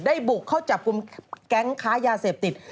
บุกเข้าจับกลุ่มแก๊งค้ายาเสพติด